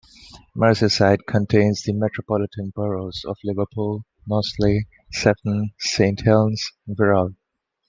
Merseyside contains the metropolitan boroughs of Liverpool, Knowsley, Sefton, Saint Helens and Wirral.